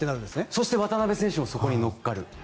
そして渡邊選手もそこに乗っかる。